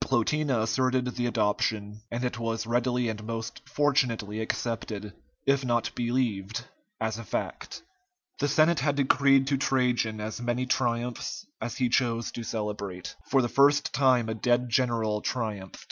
Plotina asserted the adoption, and it was readily and most fortunately accepted, if not believed, as a fact. The Senate had decreed to Trajan as many triumphs as he chose to celebrate. For the first time a dead general triumphed.